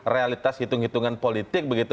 realitas hitung hitungan politik begitu